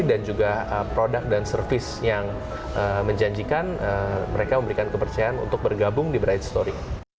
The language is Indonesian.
juga produk dan service yang menjanjikan mereka memberikan kepercayaan untuk bergabung di bright story